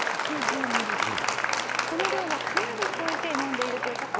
この量をかなり超えて飲んでいるという方は。